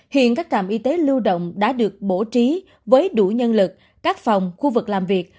hiện các trạm y tế lưu động đã được bổ trí với đủ nhân lực các phòng khu vực làm việc